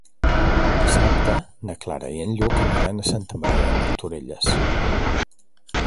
Dissabte na Clara i en Lluc aniran a Santa Maria de Martorelles.